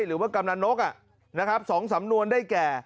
หรือว่ากำลังนกสองสำนวนได้แก่